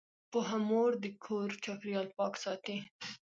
پوهه مور د کور چاپیریال پاک ساتي۔